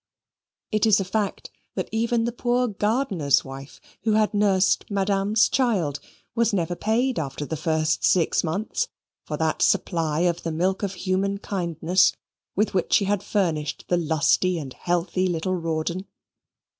It is a fact that even the poor gardener's wife, who had nursed madame's child, was never paid after the first six months for that supply of the milk of human kindness with which she had furnished the lusty and healthy little Rawdon.